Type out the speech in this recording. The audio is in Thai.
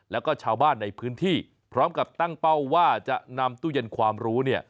แล้วก็ชาวบ้านในพื้นที่พร้อมกับตั้งเป้าว่าจะนำตู้เย็นความรู้เนี่ย